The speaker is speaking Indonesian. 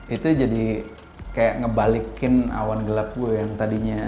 itu jadi kayak ngebalikin awan gelap gue yang tadinya